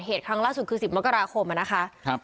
ครั้งล่าสุดคือ๑๐มกราคมนะคะ